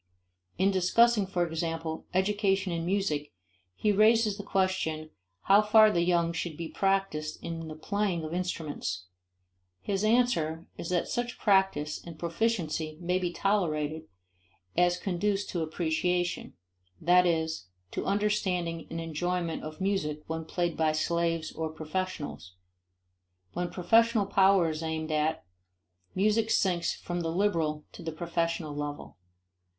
In discussing, for example, education in music he raises the question how far the young should be practiced in the playing of instruments. His answer is that such practice and proficiency may be tolerated as conduce to appreciation; that is, to understanding and enjoyment of music when played by slaves or professionals. When professional power is aimed at, music sinks from the liberal to the professional level.